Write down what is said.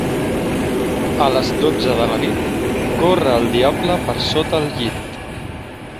A les dotze de la nit, corre el diable per sota el llit.